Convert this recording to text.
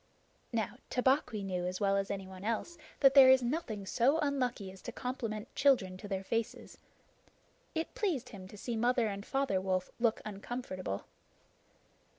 Now, Tabaqui knew as well as anyone else that there is nothing so unlucky as to compliment children to their faces. It pleased him to see Mother and Father Wolf look uncomfortable.